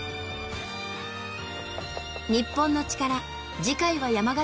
『日本のチカラ』次回は山形県。